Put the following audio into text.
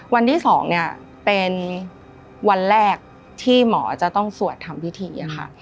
วันที่๒เนี่ยเป็นวันแรกที่หมอจะต้องสวดทำพิธีค่ะ